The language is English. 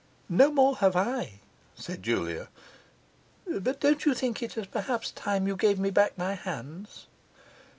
'No more have I,' said Julia. 'But don't you think it's perhaps time you gave me back my hands?